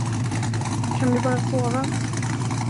Kan vi bara sova?